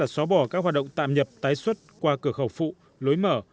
xóa bỏ các hoạt động tạm nhập tái xuất qua cửa khẩu phụ lối mở